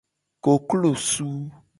Koklosu.